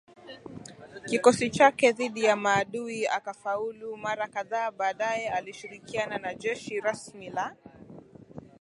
kikosi chake dhidi ya maadui akafaulu mara kadhaaBaadaye alishirikiana na jeshi rasmi la